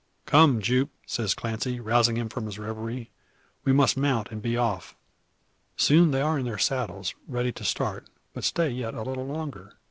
"Come, Jupe!" says Clancy, rousing him from his reverie; "we must mount, and be off." Soon they are in their saddles, ready to start; but stay yet a little longer.